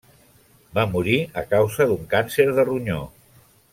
Va morir a causa d'un càncer de ronyó.